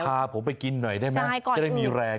พาผมไปกินหน่อยได้ไหมจะได้มีแรง